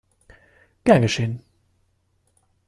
Gern geschehen!